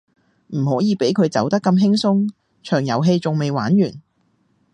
唔可以畀佢走得咁輕鬆，場遊戲仲未玩完